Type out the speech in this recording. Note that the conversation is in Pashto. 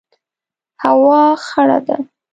هوا خړه ده